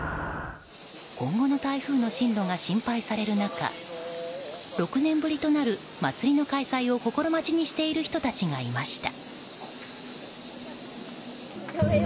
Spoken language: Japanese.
今後の台風の進路が心配される中６年ぶりとなる祭りの開催を心待ちにしている人たちがいました。